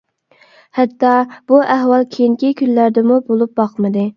ھەتتا بۇ ئەھۋال كېيىنكى كۈنلەردىمۇ بولۇپ باقمىدى.